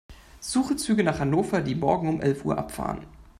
Suche Züge nach Hannover, die morgen um elf Uhr abfahren.